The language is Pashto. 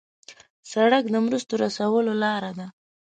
سړک د مرستو رسولو لار ده.